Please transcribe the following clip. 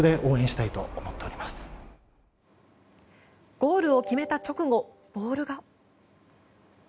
ゴールを決めた直後ボールが。